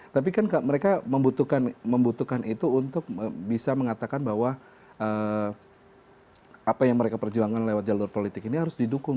tapi kan mereka membutuhkan itu untuk bisa mengatakan bahwa apa yang mereka perjuangkan lewat jalur politik ini harus didukung